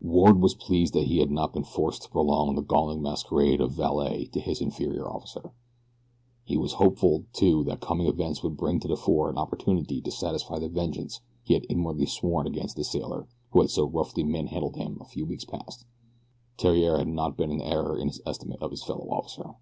Ward was pleased that he had not been forced to prolong the galling masquerade of valet to his inferior officer. He was hopeful, too, that coming events would bring to the fore an opportunity to satisfy the vengeance he had inwardly sworn against the sailor who had so roughly manhandled him a few weeks past Theriere had not been in error in his estimate of his fellow officer.